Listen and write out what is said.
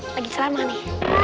lagi ceramah nih